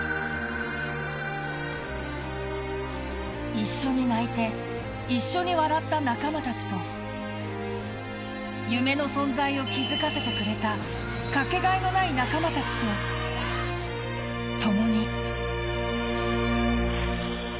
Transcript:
一緒に泣いて一緒に笑った仲間たちと夢の存在を気づかせてくれたかけがえのない仲間たちと共に。